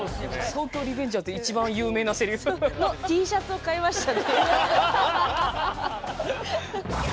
「東京卍リベンジャーズ」で一番有名なセリフ。のＴシャツを買いました。